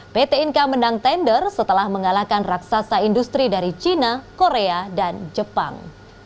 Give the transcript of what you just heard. pt inka menang tender setelah mengalahkan raksasa industri dari cina korea dan jepang